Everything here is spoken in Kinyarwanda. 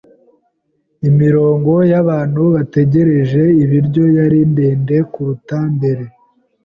Imirongo yabantu bategereje ibiryo yari ndende kuruta mbere.